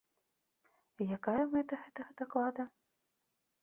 Якая мэта гэтага даклада?